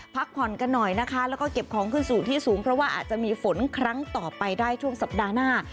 พักผ่อนกันหน่อยนะคะแล้วก็เก็บของขึ้นสู่ที่สูงเพราะว่าอาจจะมีฝนครั้งต่อไปได้ช่วงสัปดาห์หน้า